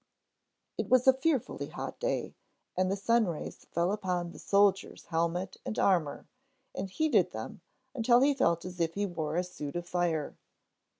It was a fearfully hot day, and the sunrays fell upon the soldier's helmet and armor and heated them until he felt as if he wore a suit of fire.